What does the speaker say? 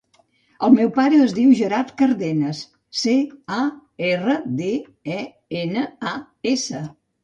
El meu pare es diu Gerard Cardenas: ce, a, erra, de, e, ena, a, essa.